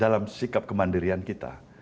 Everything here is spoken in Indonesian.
dalam sikap kemandirian kita